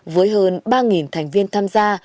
với hơn ba thành viên tham gia